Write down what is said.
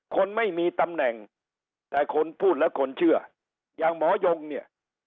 คนไม่มีตำแหน่งแต่คนพูดและคนเชื่ออย่างหมอยงเนี่ย